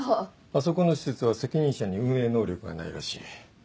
あそこの施設は責任者に運営能力がないらしい。